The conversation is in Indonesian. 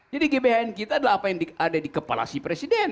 jadi gbhn kita adalah apa yang ada di kepala si presiden